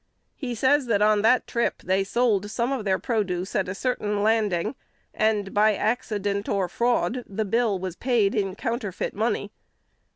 He says that on that trip they sold some of their produce at a certain landing, and by accident or fraud the bill was paid in counterfeit money.